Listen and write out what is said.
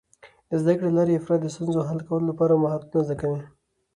د زده کړې له لارې، افراد د ستونزو حل کولو مهارتونه زده کوي.